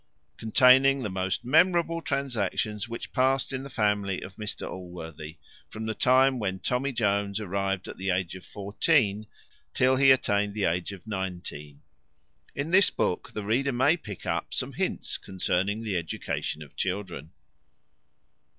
CONTAINING THE MOST MEMORABLE TRANSACTIONS WHICH PASSED IN THE FAMILY OF MR ALLWORTHY, FROM THE TIME WHEN TOMMY JONES ARRIVED AT THE AGE OF FOURTEEN, TILL HE ATTAINED THE AGE OF NINETEEN. IN THIS BOOK THE READER MAY PICK UP SOME HINTS CONCERNING THE EDUCATION OF CHILDREN.